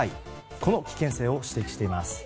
この危険性を指摘しています。